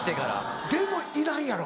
でもいらんやろ。